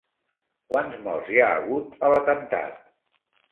Quants morts hi ha hagut a l'atemptat?